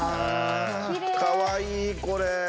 かわいいこれ。